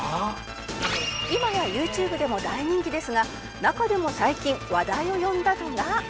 「今やＹｏｕＴｕｂｅでも大人気ですが中でも最近話題を呼んだのが」